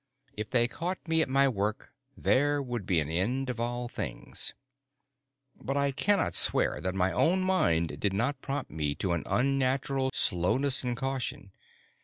If they caught me at my work, there would be an end of all things. But I cannot swear that my own mind did not prompt me to an unnatural slowness and caution.